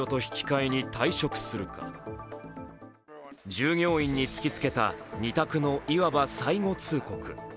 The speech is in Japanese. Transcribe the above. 従業員に突きつけた２択のいわば最後通告。